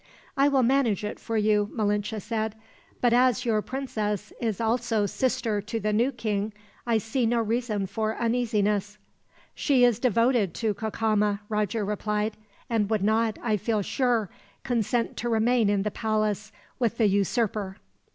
"I will manage it for you," Malinche said; "but as your princess is also sister to the new king, I see no reason for uneasiness." "She is devoted to Cacama," Roger replied; "and would not, I feel sure, consent to remain in the palace with the usurper."